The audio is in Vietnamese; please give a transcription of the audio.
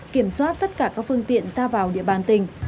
kiểm soát tất cả các phương tiện ra vào địa bàn tỉnh